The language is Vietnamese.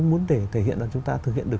muốn để thể hiện là chúng ta thực hiện được